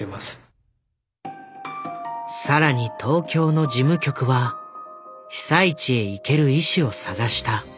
更に東京の事務局は被災地へ行ける医師を探した。